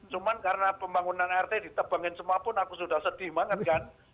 cuma karena pembangunan rt ditebangin semua pun aku sudah sedih banget kan